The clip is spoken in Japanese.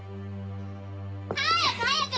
早く早く！